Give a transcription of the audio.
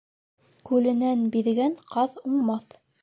Күленән биҙгән ҡаҙ уңмаҫ.